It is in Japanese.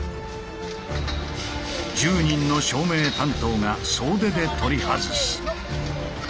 １０人の照明担当が総出で取り外す。